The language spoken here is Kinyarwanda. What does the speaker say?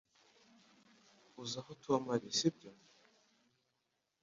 Uzi aho Tom ari sibyo